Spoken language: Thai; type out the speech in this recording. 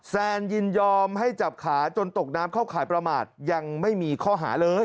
แซนยินยอมให้จับขาจนตกน้ำเข้าข่ายประมาทยังไม่มีข้อหาเลย